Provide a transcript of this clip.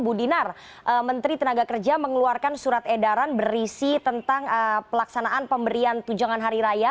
bu dinar menteri tenaga kerja mengeluarkan surat edaran berisi tentang pelaksanaan pemberian tunjangan hari raya